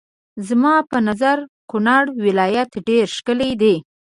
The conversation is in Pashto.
زما په نظر کونړ ولايت ډېر ښکلی دی.